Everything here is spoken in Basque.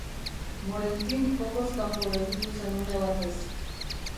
Morentin jokoz kanpo gelditu zen une batez.